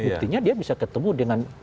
buktinya dia bisa ketemu dengan